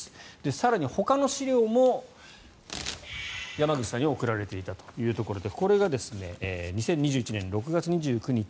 更に、ほかの資料も山口さんに送られていたということでこれが２０２１年６月２９日